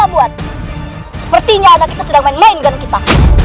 buat sepertinya anak kita sedang main main dengan kita